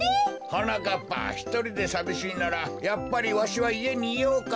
はなかっぱひとりでさびしいならやっぱりわしはいえにいようか？